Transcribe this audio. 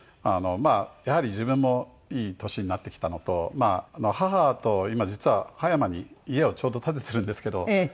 やはり自分もいい年になってきたのと母と今実は葉山に家をちょうど建てているんですけど。